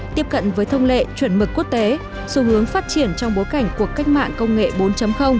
tiếp cận với thông lệ chuẩn mực quốc tế xu hướng phát triển trong bối cảnh cuộc cách mạng công nghệ bốn